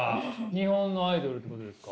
日本のアイドルってことですか？